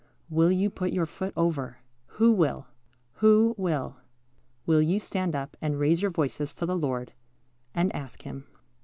Will you put your foot over? Who will? who will? Will you stand up and raise your voices to the Lord and ask Him?